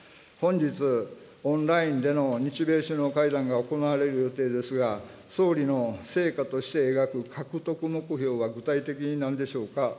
本日、オンラインでの日米首脳会談が行われる予定ですが、総理の成果として描く獲得目標は、具体的になんでしょうか。